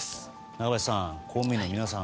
中林さん、公務員の皆さん